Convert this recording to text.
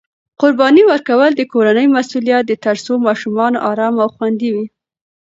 قرباني ورکول د کورنۍ مسؤلیت دی ترڅو ماشومان ارام او خوندي وي.